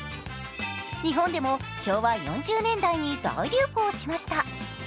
日本でも昭和４０年代に大流行しました。